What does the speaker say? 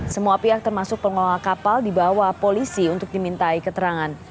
semua pihak termasuk pengelola kapal dibawa polisi untuk dimintai keterangan